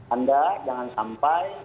anda jangan sampai